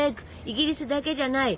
イギリスだけじゃない。